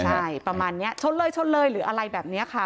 ใช่ประมาณนี้ชนเลยชนเลยหรืออะไรแบบนี้ค่ะ